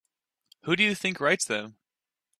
Who do you think writes them?